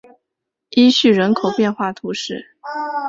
伊叙人口变化图示